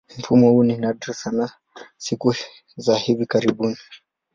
Mfumo huu ni nadra sana siku za hivi karibuni.